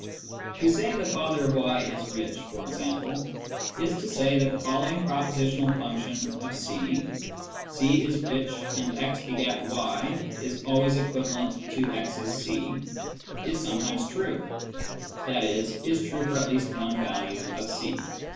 To say " the father of y is rich," for example, is to say that the following propositional function of c :" c is rich, and ' x begat y ' is always equivalent to ' x is c,' " is " sometimes true," i.e. is true for at least one value of c.